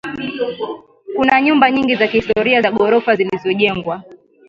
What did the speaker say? Kuna nyumba nyingi za kihistoria za ghorofa zilizojengwa